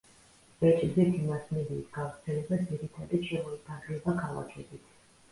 ბეჭვდითი მასმედიის გავრცელება ძირითადად შემოიფარგლება ქალაქებით.